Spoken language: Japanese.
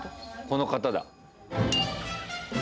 この方だ。